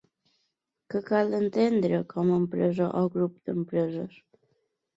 Què cal entendre com a empresa o grup d'empreses?